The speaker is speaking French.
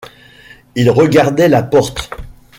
Il regardait la porte.